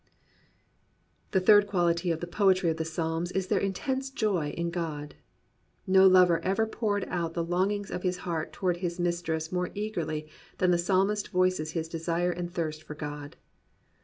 The third quality of the poetry of the Psalms is their intense joy in God. No lover ever poured out the longings of his heart toward his mistress more eagerly than the Psalmist voices his desire and thirst for God.